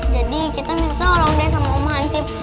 jadi kita minta orang dek sama umah hansip